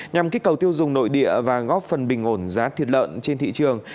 nhằm kích cầu tiêu dùng nội địa và góp phần bình ổn giá thịt lợn trên thị trường